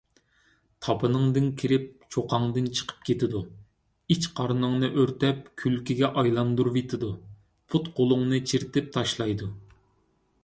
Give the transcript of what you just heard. تاپىنىڭدىن كىرىپ چوققاڭدىن چىقىپ كېتىدۇ. ئىچ - قارنىڭنى ئۆرتەپ كۈلگە ئايلاندۇرۇۋېتىدۇ. پۇت - قولۇڭنى چىرىتىپ تاشلايدۇ.